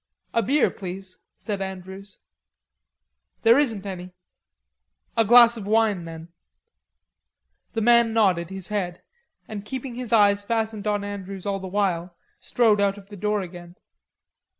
"A beer, please," said Andrews. "There isn't any." "A glass of wine then." The man nodded his head, and keeping his eyes fastened on Andrews all the while, strode out of the door again.